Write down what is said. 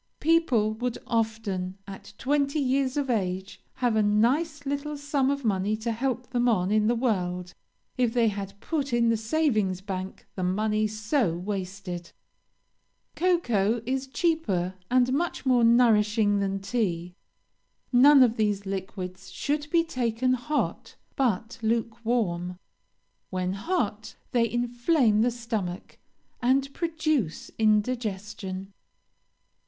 People would often, at twenty years of age, have a nice little sum of money to help them on in the world, if they had put in the savings' bank the money so wasted; Cocoa is cheaper and much more nourishing than tea. None of these liquids should be taken hot, but lukewarm; when hot they inflame the stomach, and produce indigestion.